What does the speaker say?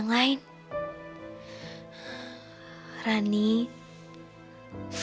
aku tadi nggak tahu